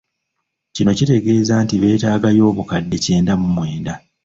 Kino kitegeeza nti beetaagayo obukadde kyenda mu mwenda.